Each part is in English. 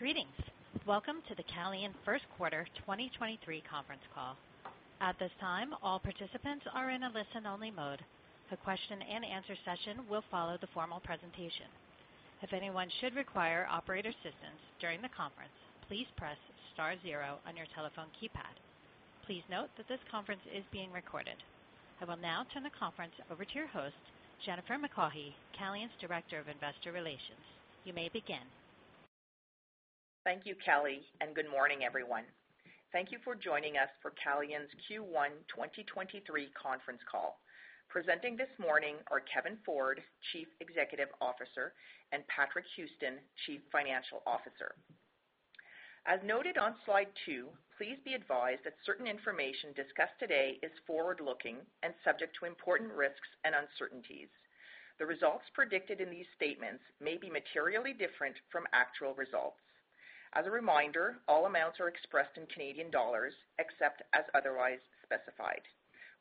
Greetings. Welcome to the Calian first quarter 2023 Conference Call. At this time, all participants are in a listen-only mode. The question-and-answer session will follow the formal presentation. If anyone should require operator assistance during the conference, please press star zero on your telephone keypad. Please note that this conference is being recorded. I will now turn the conference over to your host, Jennifer McCaughey, Calian's Director of Investor Relations. You may begin. Thank you, Kelly. Good morning, everyone. Thank you for joining us for Calian's Q1 2023 conference call. Presenting this morning are Kevin Ford, Chief Executive Officer, and Patrick Houston, Chief Financial Officer. As noted on slide two, please be advised that certain information discussed today is forward-looking and subject to important risks and uncertainties. The results predicted in these statements may be materially different from actual results. As a reminder, all amounts are expressed in Canadian dollars, except as otherwise specified.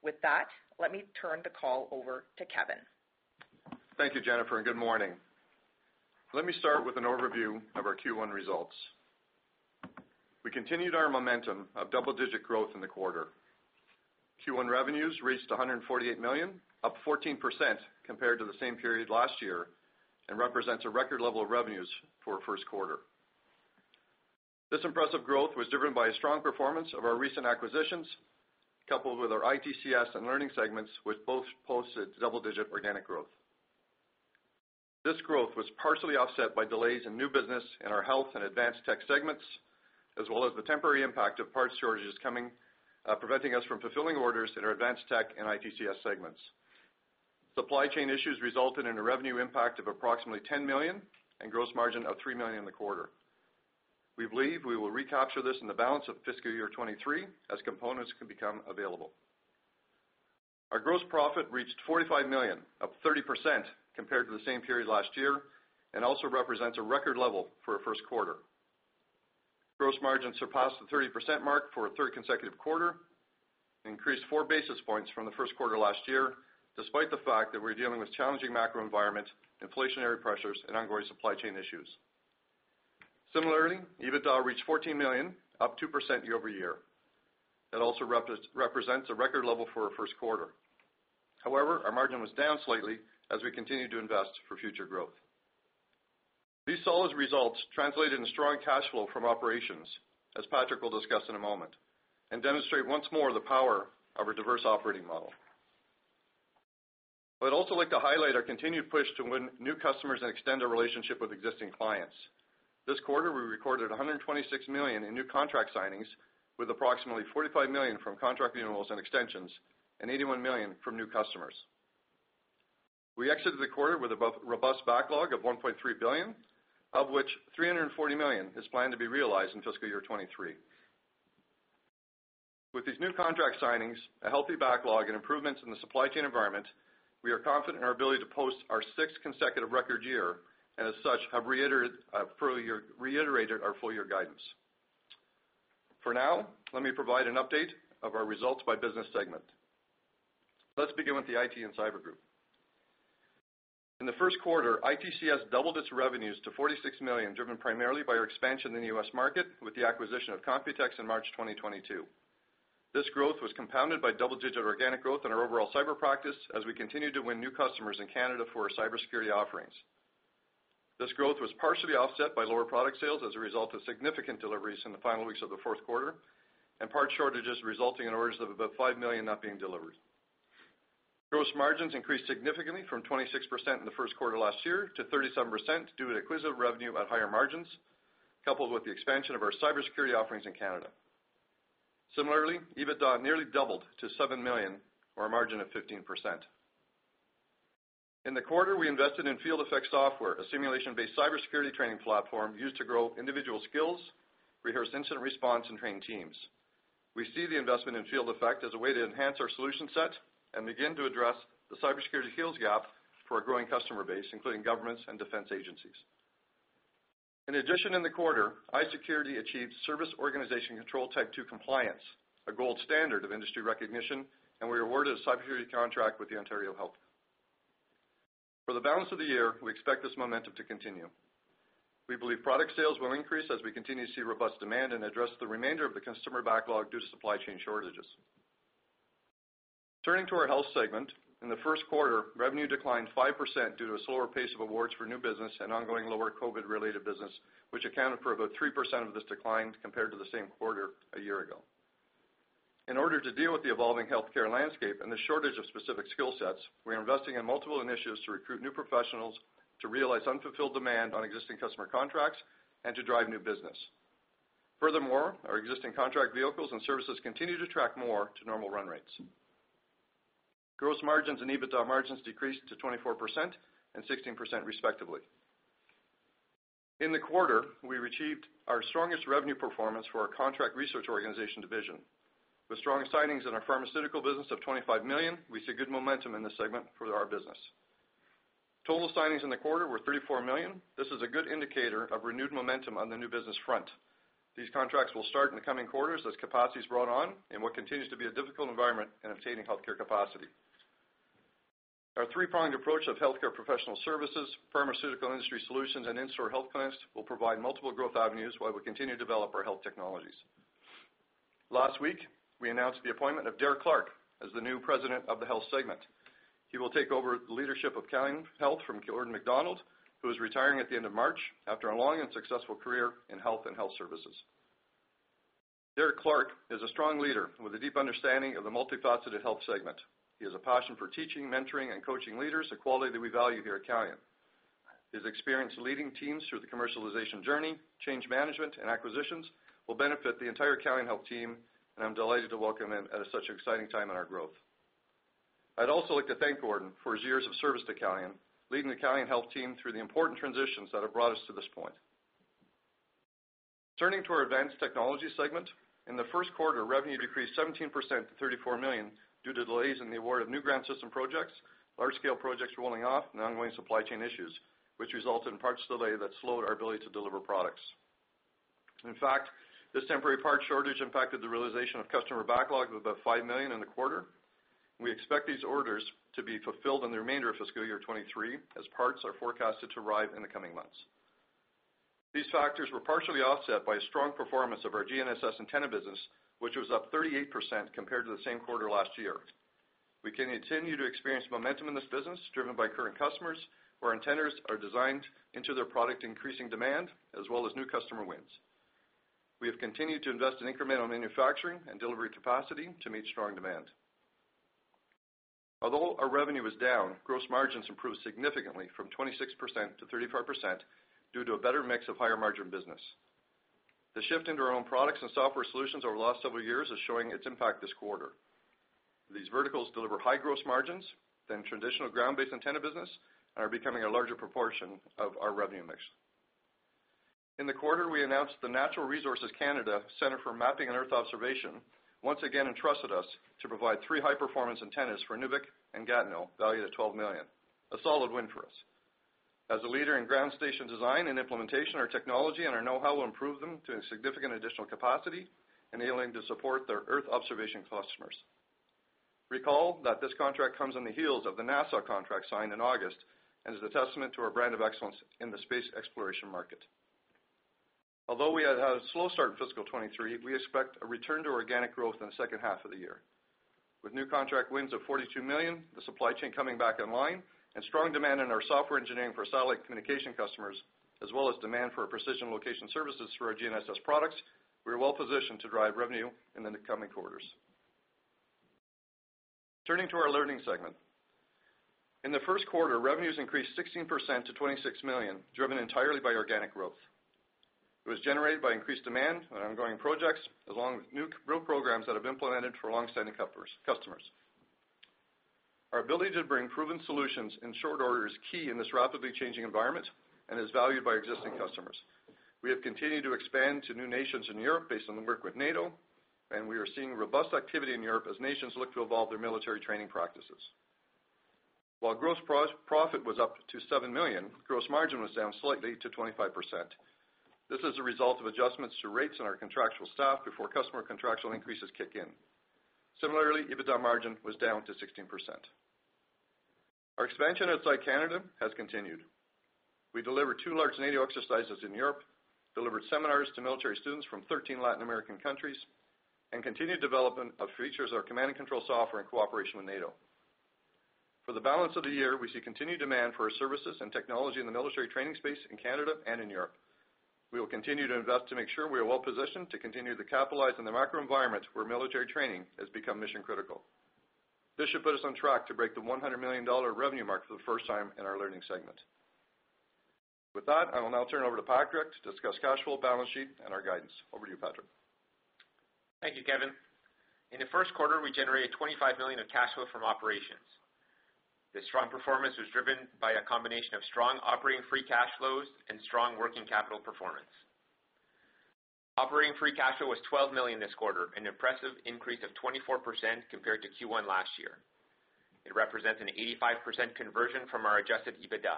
With that, let me turn the call over to Kevin. Thank you, Jennifer, and good morning. Let me start with an overview of our Q1 results. We continued our momentum of double-digit growth in the quarter. Q1 revenues reached 148 million, up 14% compared to the same period last year, and represents a record level of revenues for a first quarter. This impressive growth was driven by a strong performance of our recent acquisitions, coupled with our ITCS and learning segments, which both posted double-digit organic growth. This growth was partially offset by delays in new business in our health and advanced tech segments, as well as the temporary impact of parts shortages coming, preventing us from fulfilling orders in our advanced tech and ITCS segments. Supply chain issues resulted in a revenue impact of approximately 10 million and gross margin of 3 million in the quarter. We believe we will recapture this in the balance of fiscal year 23 as components can become available. Our gross profit reached 45 million, up 30% compared to the same period last year, and also represents a record level for a first quarter. Gross margin surpassed the 30% mark for a third consecutive quarter, increased four basis points from the first quarter last year, despite the fact that we're dealing with challenging macro environment, inflationary pressures, and ongoing supply chain issues. Similarly, EBITDA reached 14 million, up 2% year-over-year. It also represents a record level for a first quarter. However, our margin was down slightly as we continue to invest for future growth. These solid results translated into strong cash flow from operations, as Patrick will discuss in a moment, and demonstrate once more the power of our diverse operating model. I'd also like to highlight our continued push to win new customers and extend our relationship with existing clients. This quarter, we recorded 126 million in new contract signings, with approximately 45 million from contract renewals and extensions, and 81 million from new customers. We exited the quarter with a robust backlog of 1.3 billion, of which 340 million is planned to be realized in fiscal year 2023. With these new contract signings, a healthy backlog, and improvements in the supply chain environment, we are confident in our ability to post our sixth consecutive record year, and as such, have reiterated our full year guidance. Let me provide an update of our results by business segment. Let's begin with the IT and cyber group. In the first quarter, ITCS doubled its revenues to $46 million, driven primarily by our expansion in the U.S. market with the acquisition of Computex in March 2022. This growth was compounded by double-digit organic growth in our overall cyber practice as we continue to win new customers in Canada for our cybersecurity offerings. This growth was partially offset by lower product sales as a result of significant deliveries in the final weeks of the fourth quarter and parts shortages resulting in orders of about $5 million not being delivered. Gross margins increased significantly from 26% in the first quarter last year to 37% due to acquisitive revenue at higher margins, coupled with the expansion of our cybersecurity offerings in Canada. Similarly, EBITDA nearly doubled to $7 million or a margin of 15%. In the quarter, we invested in Field Effect Software, a simulation-based cybersecurity training platform used to grow individual skills, rehearse incident response, and train teams. We see the investment in Field Effect as a way to enhance our solution set and begin to address the cybersecurity skills gap for our growing customer base, including governments and defense agencies. In addition, in the quarter, iSecurity achieved Service Organization Control Type II compliance, a gold standard of industry recognition, and we were awarded a cybersecurity contract with the Ontario Health. For the balance of the year, we expect this momentum to continue. We believe product sales will increase as we continue to see robust demand and address the remainder of the customer backlog due to supply chain shortages. Turning to our Health segment. In the first quarter, revenue declined 5% due to a slower pace of awards for new business and ongoing lower COVID-related business, which accounted for about 3% of this decline compared to the same quarter a year ago. In order to deal with the evolving healthcare landscape and the shortage of specific skill sets, we are investing in multiple initiatives to recruit new professionals to realize unfulfilled demand on existing customer contracts and to drive new business. Furthermore, our existing contract vehicles and services continue to track more to normal run rates. Gross margins and EBITDA margins decreased to 24% and 16% respectively. In the quarter, we received our strongest revenue performance for our contract research organization division. With strong signings in our pharmaceutical business of 25 million, we see good momentum in this segment for our business. Total signings in the quarter were 34 million. This is a good indicator of renewed momentum on the new business front. These contracts will start in the coming quarters as capacity is brought on in what continues to be a difficult environment in obtaining healthcare capacity. Our three-pronged approach of healthcare professional services, pharmaceutical industry solutions, and in-store health clinics will provide multiple growth avenues while we continue to develop our health technologies. Last week, we announced the appointment of Derek Clark as the new president of the health segment. He will take over the leadership of Calian Health from Gordon McDonald, who is retiring at the end of March after a long and successful career in health and health services. Derek Clark is a strong leader with a deep understanding of the multifaceted health segment. He has a passion for teaching, mentoring, and coaching leaders, a quality that we value here at Calian. His experience leading teams through the commercialization journey, change management, and acquisitions will benefit the entire Calian Health team, and I'm delighted to welcome him at such an exciting time in our growth. I'd also like to thank Gordon for his years of service to Calian, leading the Calian Health team through the important transitions that have brought us to this point. Turning to our advanced technology segment, in the first quarter, revenue decreased 17% to 34 million due to delays in the award of new ground system projects, large-scale projects rolling off, and ongoing supply chain issues, which resulted in parts delay that slowed our ability to deliver products. In fact, this temporary parts shortage impacted the realization of customer backlog of about 5 million in the quarter. We expect these orders to be fulfilled in the remainder of FY2023 as parts are forecasted to arrive in the coming months. These factors were partially offset by a strong performance of our GNSS antenna business, which was up 38% compared to the same quarter last year. We continue to experience momentum in this business, driven by current customers where antennas are designed into their product, increasing demand, as well as new customer wins. We have continued to invest in incremental manufacturing and delivery capacity to meet strong demand. Although our revenue is down, gross margins improved significantly from 26% to 35% due to a better mix of higher-margin business. The shift into our own products and software solutions over the last several years is showing its impact this quarter. These verticals deliver high gross margins than traditional ground-based antenna business and are becoming a larger proportion of our revenue mix. In the quarter, we announced the Natural Resources Canada Centre for Mapping and Earth Observation once again entrusted us to provide three high-performance antennas for Inuvik and Gatineau, valued at $12 million, a solid win for us. As a leader in ground station design and implementation, our technology and our know-how will improve them to a significant additional capacity, enabling to support their earth observation customers. Recall that this contract comes on the heels of the NASA contract signed in August and is a testament to our brand of excellence in the space exploration market. Although we had had a slow start in FY2023, we expect a return to organic growth in the second half of the year. With new contract wins of 42 million, the supply chain coming back online, and strong demand in our software engineering for satellite communication customers, as well as demand for our precision location services through our GNSS products, we are well-positioned to drive revenue in the coming quarters. Turning to our learning segment. In the first quarter, revenues increased 16% to 26 million, driven entirely by organic growth. It was generated by increased demand on ongoing projects, along with new real programs that have implemented for long-standing customers. Our ability to bring proven solutions in short order is key in this rapidly changing environment and is valued by existing customers. We have continued to expand to new nations in Europe based on the work with NATO. We are seeing robust activity in Europe as nations look to evolve their military training practices. While gross profit was up to 7 million, gross margin was down slightly to 25%. This is a result of adjustments to rates on our contractual staff before customer contractual increases kick in. Similarly, EBITDA margin was down to 16%. Our expansion outside Canada has continued. We delivered two large NATO exercises in Europe, delivered seminars to military students from 13 Latin American countries, and continued development of features of our command and control software in cooperation with NATO. For the balance of the year, we see continued demand for our services and technology in the military training space in Canada and in Europe. We will continue to invest to make sure we are well-positioned to continue to capitalize on the macro environment where military training has become mission-critical. This should put us on track to break the 100 million dollar revenue mark for the first time in our learning segment. With that, I will now turn over to Patrick to discuss cash flow, balance sheet, and our guidance. Over to you, Patrick. Thank you, Kevin. In the first quarter, we generated 25 million of cash flow from operations. This strong performance was driven by a combination of strong operating free cash flows and strong working capital performance. Operating free cash flow was 12 million this quarter, an impressive increase of 24% compared to Q1 last year. It represents an 85% conversion from our adjusted EBITDA.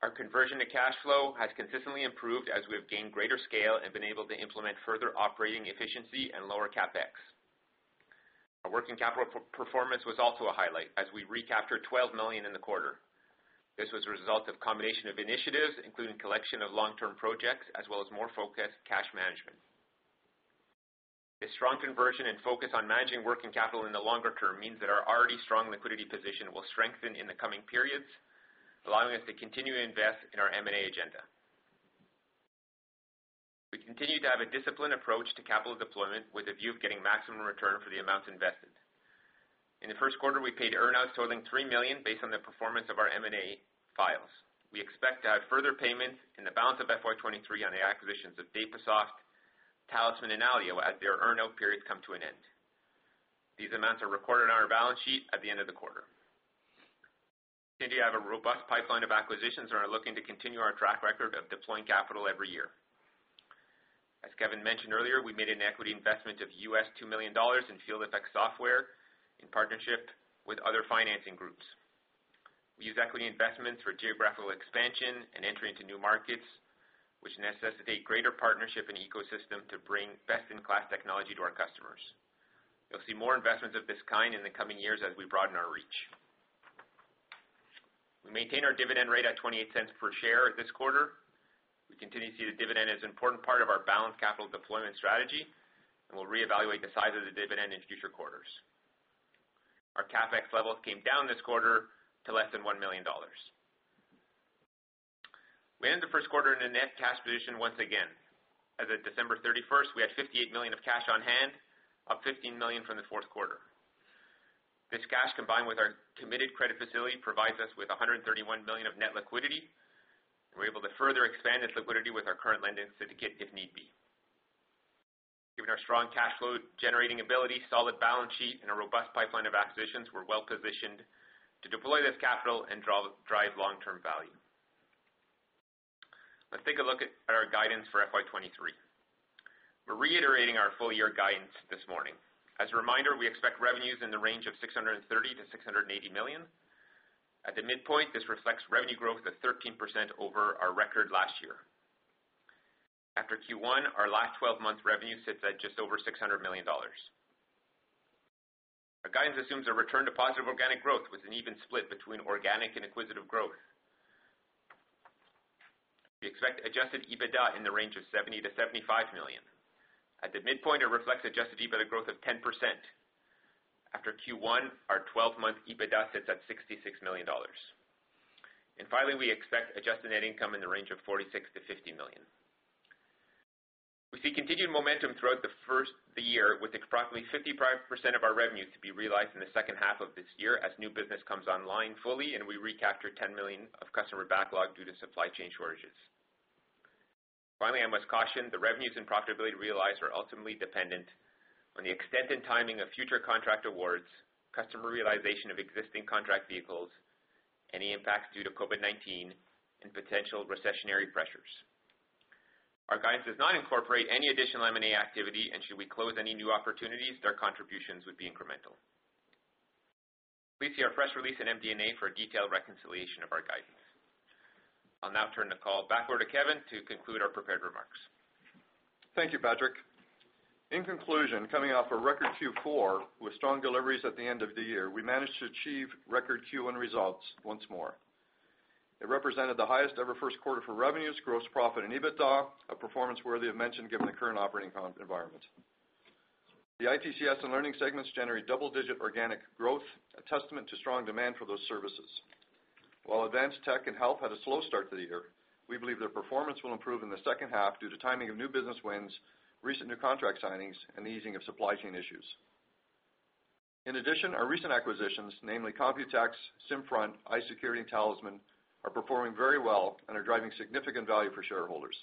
Our conversion to cash flow has consistently improved as we have gained greater scale and been able to implement further operating efficiency and lower CapEx. Our working capital per-performance was also a highlight as we recaptured 12 million in the quarter. This was a result of combination of initiatives, including collection of long-term projects, as well as more focused cash management. A strong conversion and focus on managing working capital in the longer term means that our already strong liquidity position will strengthen in the coming periods, allowing us to continue to invest in our M&A agenda. We continue to have a disciplined approach to capital deployment with a view of getting maximum return for the amounts invested. In the first quarter, we paid earn-outs totaling 3 million based on the performance of our M&A files. We expect to have further payments in the balance of FY2023 on the acquisitions of Dapasoft, Tallysman, and Alio as their earn-out periods come to an end. These amounts are recorded on our balance sheet at the end of the quarter. We continue to have a robust pipeline of acquisitions and are looking to continue our track record of deploying capital every year. As Kevin mentioned earlier, we made an equity investment of U.S. $2 million in Field Effect Software in partnership with other financing groups. We use equity investments for geographical expansion and entry into new markets, which necessitate greater partnership and ecosystem to bring best-in-class technology to our customers. You'll see more investments of this kind in the coming years as we broaden our reach. We maintain our dividend rate at 0.28 per share at this quarter. We continue to see the dividend as an important part of our balanced capital deployment strategy. We'll reevaluate the size of the dividend in future quarters. Our CapEx levels came down this quarter to less than 1 million dollars. We ended the first quarter in a net cash position once again. As of December thirty-first, we had 58 million of cash on hand, up 15 million from the fourth quarter. This cash, combined with our committed credit facility, provides us with $131 million of net liquidity, and we're able to further expand this liquidity with our current lending syndicate if need be. Given our strong cash flow generating ability, solid balance sheet, and a robust pipeline of acquisitions, we're well positioned to deploy this capital and drive long-term value. Let's take a look at our guidance for FY 2023. We're reiterating our full year guidance this morning. As a reminder, we expect revenues in the range of $630 million-$680 million. At the midpoint, this reflects revenue growth of 13% over our record last year. After Q1, our last twelve-month revenue sits at just over $600 million. Our guidance assumes a return to positive organic growth with an even split between organic and acquisitive growth. We expect adjusted EBITDA in the range of 70 million-75 million. At the midpoint, it reflects adjusted EBITDA growth of 10%. After Q1, our 12-month EBITDA sits at 66 million dollars. Finally, we expect adjusted net income in the range of 46 million-50 million. We see continued momentum throughout the year, with approximately 55% of our revenues to be realized in the second half of this year as new business comes online fully, and we recapture 10 million of customer backlog due to supply chain shortages. Finally, I must caution the revenues and profitability realized are ultimately dependent on the extent and timing of future contract awards, customer realization of existing contract vehicles, any impacts due to COVID-19, and potential recessionary pressures. Our guidance does not incorporate any additional M&A activity, and should we close any new opportunities, their contributions would be incremental. Please see our press release and MD&A for a detailed reconciliation of our guidance. I'll now turn the call back over to Kevin to conclude our prepared remarks. Thank you, Patrick. In conclusion, coming off a record Q4 with strong deliveries at the end of the year, we managed to achieve record Q1 results once more. It represented the highest ever first quarter for revenues, gross profit, and EBITDA, a performance worthy of mention given the current operating environment. The ITCS and Learning segments generate double-digit organic growth, a testament to strong demand for those services. While Advanced Tech and Health had a slow start to the year, we believe their performance will improve in the second half due to timing of new business wins, recent new contract signings, and the easing of supply chain issues. In addition, our recent acquisitions, namely Computex, SimFront, iSecurity, and Tallysman, are performing very well and are driving significant value for shareholders.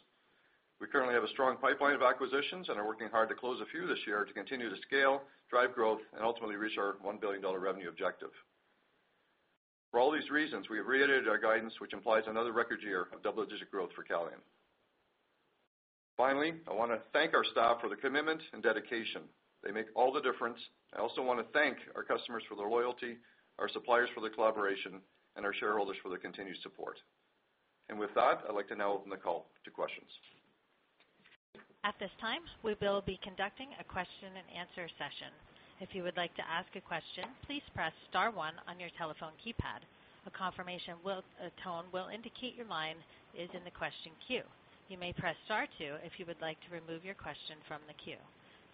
We currently have a strong pipeline of acquisitions and are working hard to close a few this year to continue to scale, drive growth, and ultimately reach our 1 billion dollar revenue objective. For all these reasons, we have reiterated our guidance, which implies another record year of double-digit growth for Calian. Finally, I wanna thank our staff for their commitment and dedication. They make all the difference. I also wanna thank our customers for their loyalty, our suppliers for their collaboration, and our shareholders for their continued support. With that, I'd like to now open the call to questions. At this time, we will be conducting a question and answer session. If you would like to ask a question, please press star one on your telephone keypad. A tone will indicate your line is in the question queue. You may press star two if you would like to remove your question from the queue.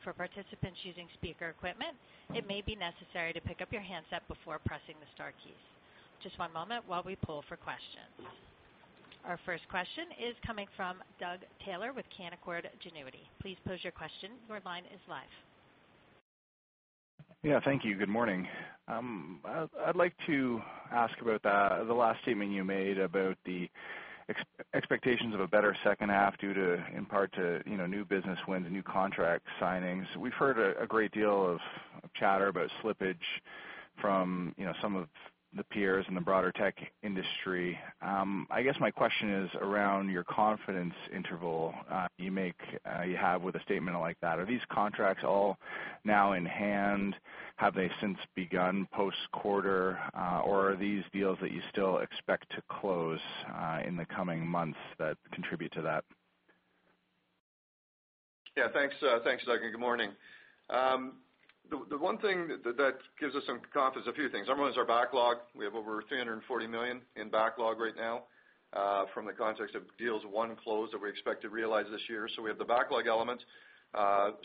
For participants using speaker equipment, it may be necessary to pick up your handset before pressing the star keys. Just one moment while we pull for questions. Our first question is coming from Doug Taylor with Canaccord Genuity. Please pose your question. Your line is live. Thank you. Good morning. I'd like to ask about the last statement you made about the expectations of a better second half due to, in part to, you know, new business wins and new contract signings. We've heard a great deal of chatter about slippage from, you know, some of the peers in the broader tech industry. I guess my question is around your confidence interval you make, you have with a statement like that. Are these contracts all now in hand? Have they since begun post-quarter, or are these deals that you still expect to close in the coming months that contribute to that? Thanks, thanks, Doug, and good morning. The one thing that gives us some confidence, a few things. One is our backlog. We have over 340 million in backlog right now, from the context of deals won and closed that we expect to realize this year. We have the backlog element.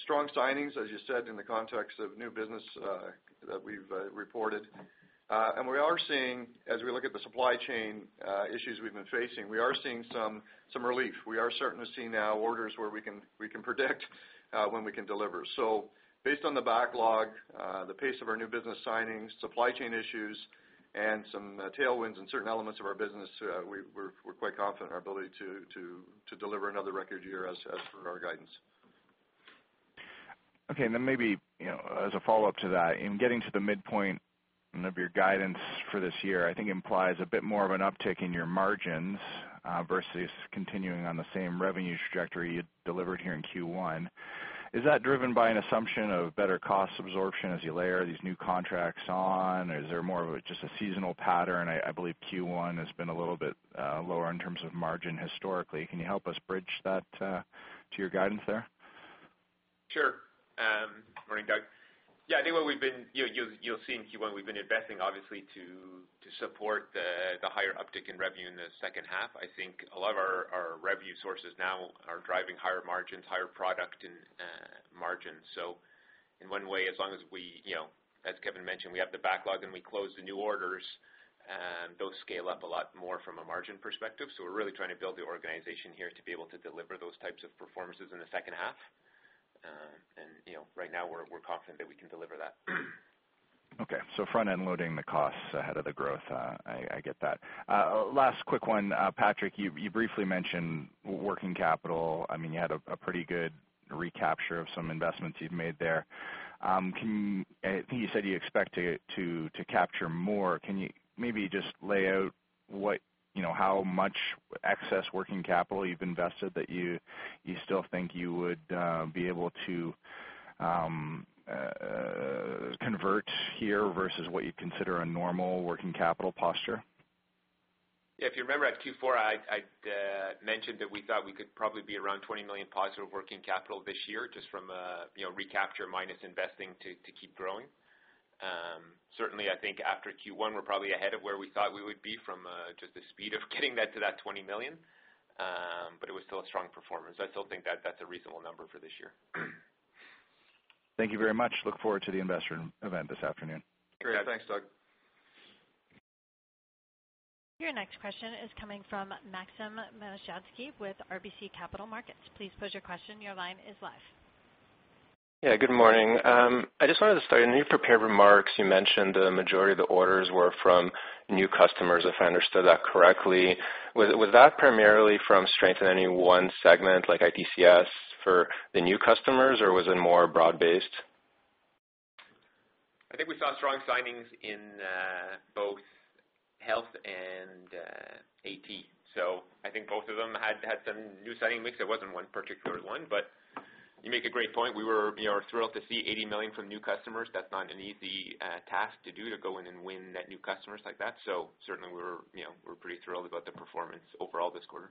Strong signings, as you said, in the context of new business that we've reported. We are seeing, as we look at the supply chain issues we've been facing, we are seeing some relief. We are certain to see now orders where we can predict when we can deliver. Based on the backlog, the pace of our new business signings, supply chain issues, and some tailwinds in certain elements of our business, we're quite confident in our ability to deliver another record year as per our guidance. Okay. Then maybe, you know, as a follow-up to that, in getting to the midpoint of your guidance for this year, I think implies a bit more of an uptick in your margins, versus continuing on the same revenue trajectory you delivered here in Q1. Is that driven by an assumption of better cost absorption as you layer these new contracts on? Or is there more of just a seasonal pattern? I believe Q1 has been a little bit lower in terms of margin historically. Can you help us bridge that to your guidance there? Sure. Good morning, Doug. Yeah, I think You'll see in Q1, we've been investing obviously to support the higher uptick in revenue in the second half. I think a lot of our revenue sources now are driving higher margins, higher product and margins. In one way, as long as we, you know, as Kevin mentioned, we have the backlog, and we close the new orders, those scale up a lot more from a margin perspective. We're really trying to build the organization here to be able to deliver those types of performances in the second half. You know, right now we're confident that we can deliver that. Okay. Front-end loading the costs ahead of the growth. I get that. Last quick one. Patrick, you briefly mentioned working capital. I mean, you had a pretty good recapture of some investments you've made there. I think you said you expect to capture more. Can you maybe just lay out what, you know, how much excess working capital you've invested that you still think you would be able to convert here versus what you'd consider a normal working capital posture? If you remember at Q4, I mentioned that we thought we could probably be around 20 million positive working capital this year just from, you know, recapture minus investing to keep growing. Certainly, I think after Q1, we're probably ahead of where we thought we would be from just the speed of getting that to that 20 million. It was still a strong performance. I still think that that's a reasonable number for this year. Thank you very much. Look forward to the investor event this afternoon. Great. Thanks, Doug. Your next question is coming from Maxim Matushansky with RBC Capital Markets. Please pose your question. Your line is live. Yeah, good morning. I just wanted to start. In your prepared remarks, you mentioned the majority of the orders were from new customers, if I understood that correctly. Was that primarily from strength in any one segment, like ITCS for the new customers, or was it more broad-based? I think we saw strong signings in both health and AT. I think both of them had some new signing mix. There wasn't one particular one, but you make a great point. We were, you know, thrilled to see 80 million from new customers. That's not an easy task to do, to go in and win net new customers like that. Certainly, we're, you know, we're pretty thrilled about the performance overall this quarter.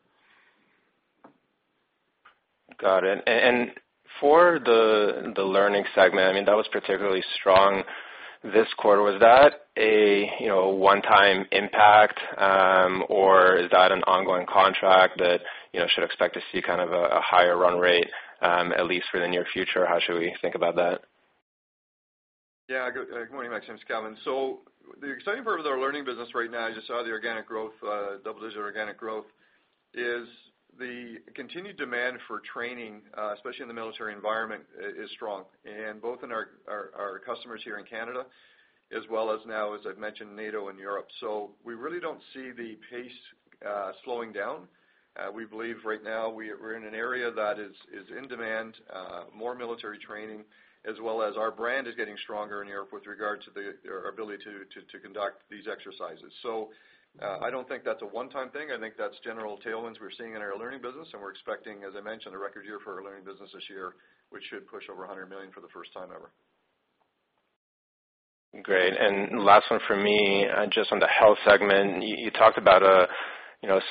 Got it. For the learning segment, I mean, that was particularly strong this quarter. Was that a, you know, one-time impact, or is that an ongoing contract that, you know, should expect to see kind of a higher run rate, at least for the near future? How should we think about that? Good morning, Maxim. It's Kevin. The exciting part of our learning business right now, as you saw the organic growth, double-digit organic growth, is the continued demand for training, especially in the military environment, is strong. Both in our customers here in Canada, as well as now, as I've mentioned, NATO and Europe. We really don't see the pace slowing down. We believe right now we're in an area that is in demand, more military training, as well as our brand is getting stronger in Europe with regards to our ability to conduct these exercises. I don't think that's a one-time thing. I think that's general tailwinds we're seeing in our learning business, and we're expecting, as I mentioned, a record year for our learning business this year, which should push over 100 million for the first time ever. Great. Last one from me, just on the health segment. You talked about a, you know,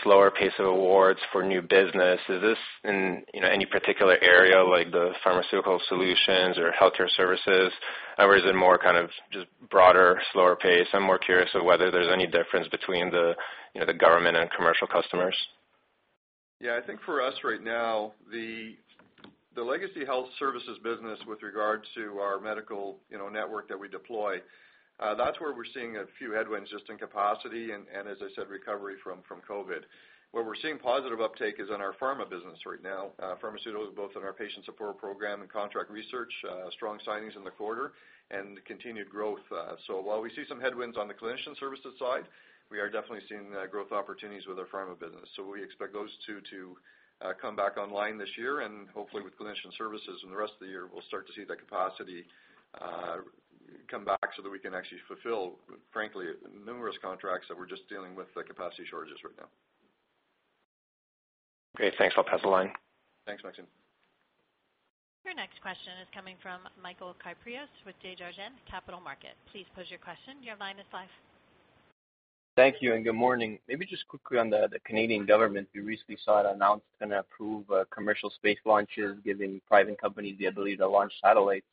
slower pace of awards for new business. Is this in, you know, any particular area like the pharmaceutical solutions or healthcare services? Or is it more kind of just broader, slower pace? I'm more curious of whether there's any difference between the, you know, the government and commercial customers. Yeah. I think for us right now, the legacy health services business with regards to our medical, you know, network that we deploy, that's where we're seeing a few headwinds just in capacity, and as I said, recovery from COVID. Where we're seeing positive uptake is in our pharma business right now. Pharmaceuticals, both in our patient support program and contract research, strong signings in the quarter and continued growth. While we see some headwinds on the clinician services side, we are definitely seeing growth opportunities with our pharma business. We expect those two to come back online this year and hopefully with clinician services in the rest of the year, we'll start to see that capacity come back so that we can actually fulfill, frankly, numerous contracts that we're just dealing with the capacity shortages right now. Great. Thanks. I'll pass the line. Thanks, Maxim. Your next question is coming from Michael Kypreos with Desjardins Capital Markets. Please pose your question. Your line is live. Thank you and good morning. Maybe just quickly on the Canadian government. We recently saw it announced and approved commercial space launches, giving private companies the ability to launch satellites.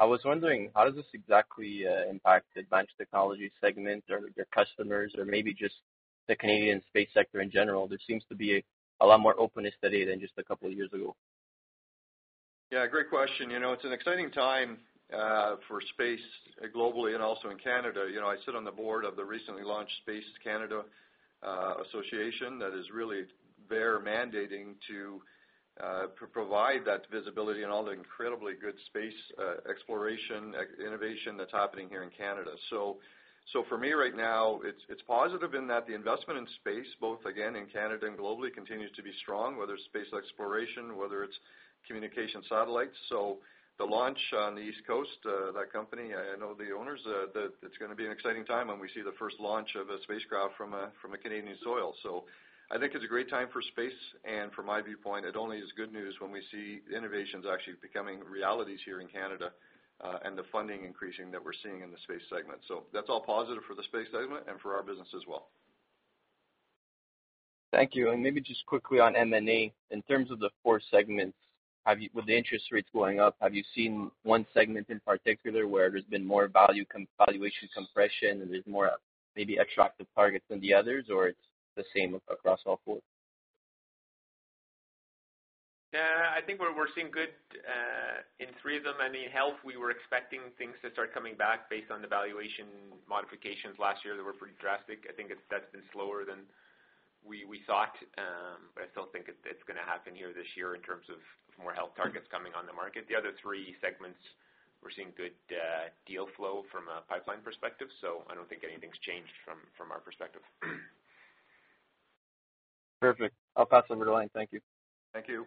I was wondering, how does this exactly impact Advanced Technologies segment or their customers, or maybe just the Canadian space sector in general? There seems to be a lot more openness today than just a couple of years ago. Yeah, great question. You know, it's an exciting time for space globally and also in Canada. You know, I sit on the board of the recently launched Space Canada Association that is really their mandating to provide that visibility and all the incredibly good space exploration innovation that's happening here in Canada. For me right now, it's positive in that the investment in space, both again, in Canada and globally, continues to be strong, whether it's space exploration, whether it's communication satellites. The launch on the East Coast, that company, I know the owners, that it's gonna be an exciting time when we see the first launch of a spacecraft from a Canadian soil. I think it's a great time for space. From my viewpoint, it only is good news when we see innovations actually becoming realities here in Canada, and the funding increasing that we're seeing in the space segment. That's all positive for the space segment and for our business as well. Thank you. Maybe just quickly on M&A. In terms of the four segments, with the interest rates going up, have you seen one segment in particular where there's been more value valuation compression and there's more, maybe attractive targets than the others or it's the same across all four? I think we're seeing good in three of them. In Health, we were expecting things to start coming back based on the valuation modifications last year that were pretty drastic. I think that's been slower than we thought. I still think it's going to happen here this year in terms of more Health targets coming on the market. The other three segments, we're seeing good deal flow from a pipeline perspective. I don't think anything's changed from our perspective. Perfect. I'll pass over to line. Thank you. Thank you.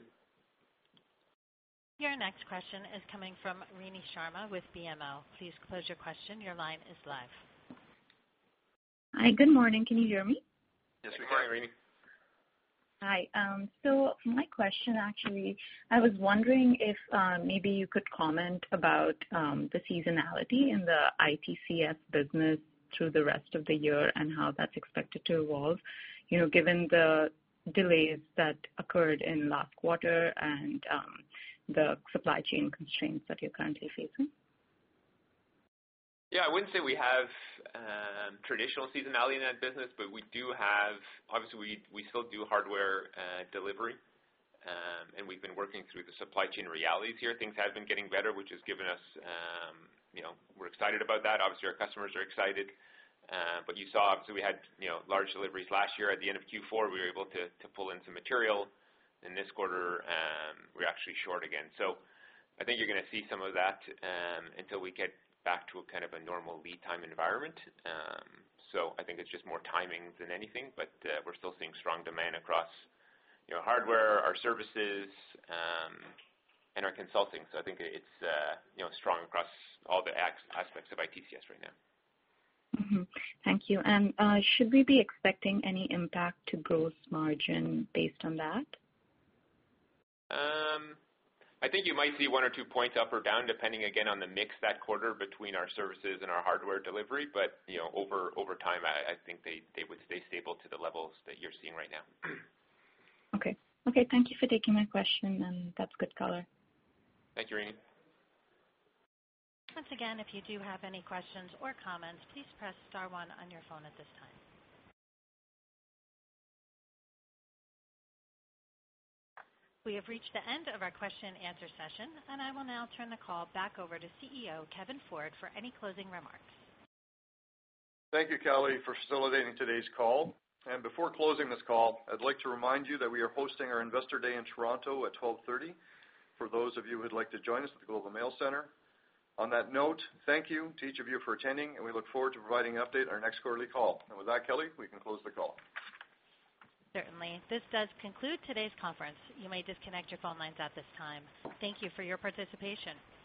Your next question is coming from Rini Sharma with BMO. Please close your question, your line is live. Hi. Good morning. Can you hear me? Yes, we can, Rini. Hi. My question actually, I was wondering if maybe you could comment about the seasonality in the ITCS business through the rest of the year and how that's expected to evolve, you know, given the delays that occurred in last quarter and the supply chain constraints that you're currently facing. Yeah. I wouldn't say we have traditional seasonality in that business, but we do. Obviously, we still do hardware delivery. We've been working through the supply chain realities here. Things have been getting better, which has given us, you know, we're excited about that. Obviously, our customers are excited. You saw, obviously, we had, you know, large deliveries last year.At the end of Q4, we were able to pull in some material. In this quarter, we're actually short again. I think you're gonna see some of that until we get back to a kind of a normal lead time environment. I think it's just more timing than anything. We're still seeing strong demand across, you know, hardware, our services, and our consulting. I think it's, you know, strong across all the aspects of ITCS right now. Thank you. Should we be expecting any impact to gross margin based on that? I think you might see one or two points up or down, depending again, on the mix that quarter between our services and our hardware delivery. You know, over time, I think they would stay stable to the levels that you're seeing right now. Okay. Okay, thank you for taking my question. That's good color. Thank you, Rini. Once again, if you do have any questions or comments, please press star one on your phone at this time. We have reached the end of our question and answer session. I will now turn the call back over to CEO, Kevin Ford, for any closing remarks. Thank you, Kelly, for facilitating today's call. Before closing this call, I'd like to remind you that we are hosting our Investor Day in Toronto at 12:30 P.M., for those of you who'd like to join us at the Global Mail Center. On that note, thank you to each of you for attending, and we look forward to providing an update on our next quarterly call. With that, Kelly, we can close the call. Certainly. This does conclude today's conference. You may disconnect your phone lines at this time. Thank you for your participation.